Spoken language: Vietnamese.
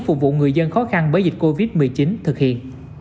phục vụ người dân khó khăn bởi dịch covid một mươi chín thực hiện